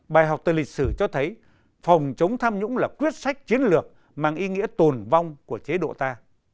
bài học từ lịch sử cho thấy phòng chống tham nhũng là quyết sách chiến lược mang ý nghĩa tồn vong của chế độ ta